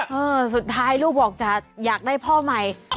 เออสุดท้ายลูกบอกจะอยากได้พ่อใหม่